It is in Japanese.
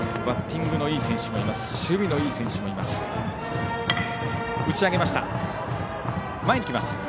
バッティングのいい選手もいます。